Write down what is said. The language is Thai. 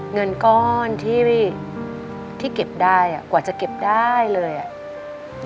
เงินก้อนที่เก็บได้อ่ะกว่าจะเก็บได้เลยอ่ะ